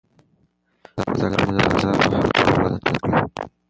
زده کړه مې د بازار په هر تود او سوړ حالت کې وکړه.